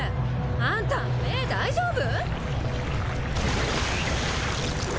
あんた目大丈夫？